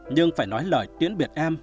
nhưng phải nói lời tiễn biệt em